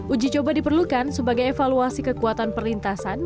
uji coba diperlukan sebagai evaluasi kekuatan perlintasan